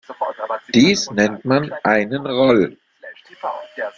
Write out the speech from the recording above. Dies nennt man einen "Roll".